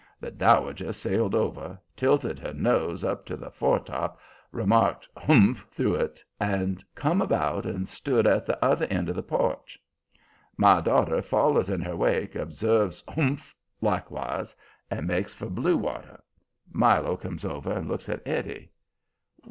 The Dowager sailed over, tilted her nose up to the foretop, remarked "Humph"' through it and come about and stood at the other end of the porch. "My daughter" follers in her wake, observes "Humph!" likewise and makes for blue water. Milo comes over and looks at Eddie.